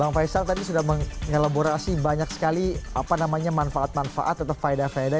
bang faisal tadi sudah mengelaborasi banyak sekali manfaat manfaat atau faedah faedah